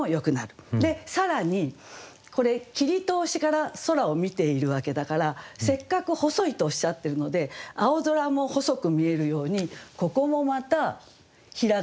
更にこれ切通しから空を見ているわけだからせっかく「細い」とおっしゃってるので青空も細く見えるようにここもまた平仮名にしましょう。